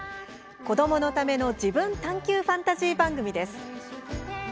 子どものための自分探求ファンタジー番組です。